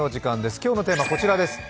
今日のテーマこちらです。